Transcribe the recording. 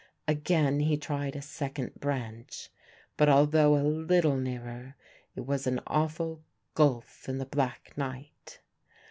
Again he tried a second branch, but, although a little nearer, it was an awful gulf in the black night.